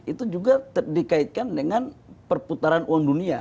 itu juga dikaitkan dengan perputaran uang dunia